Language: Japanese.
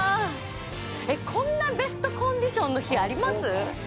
こんなベストコンディションの日あります？